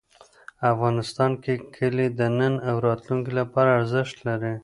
افغانستان کې کلي د نن او راتلونکي لپاره ارزښت لري.